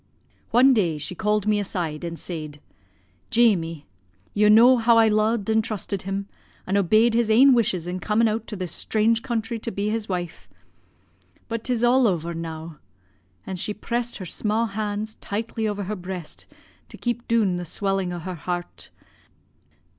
"One day she called me aside and said "'Jamie, you know how I lo'ed an' trusted him, an' obeyed his ain wishes in comin' out to this strange country to be his wife. But 'tis all over now,' and she pressed her sma' hands tightly over her breast to keep doon the swelling o' her heart.